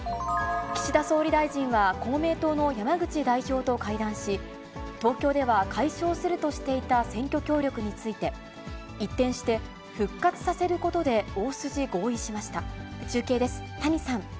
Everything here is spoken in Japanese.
岸田総理大臣は公明党の山口代表と会談し、東京では解消するとしていた選挙協力について、一転して復活させることで大筋合意しました。